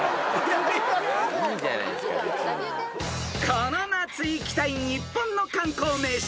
［この夏行きたい日本の観光名所］